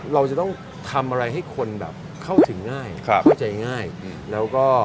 เราจะต้องทำอะไรให้คนแบบเข้าถึงง่ายเข้าใจง่ายแล้วก็